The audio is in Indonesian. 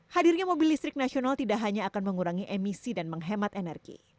hadirnya mobil listrik nasional tidak hanya akan mengurangi emisi dan menghemat energi